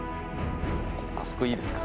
あそこいいですか？